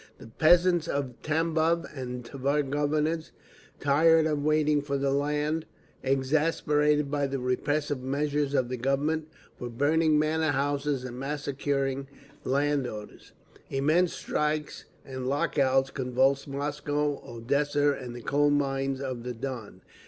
The peasants of Tambov and Tver Governments, tired of waiting for the land, exasperated by the repressive measures of the Government, were burning manor houses and massacring land owners. Immense strikes and lock outs convulsed Moscow, Odessa and the coal mines of the Don.